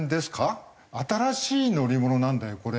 新しい乗り物なんだよこれ。